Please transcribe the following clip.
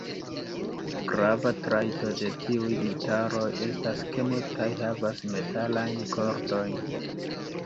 Grava trajto de tiuj gitaroj estas ke multaj havas metalajn kordojn.